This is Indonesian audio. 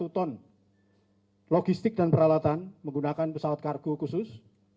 satu ton logistik dan peralatan menggunakan pesawat kargo khusus